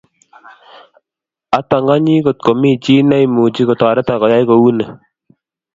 Atanganyi ngotkomi chi ne imuchi kotoreto koyai kouni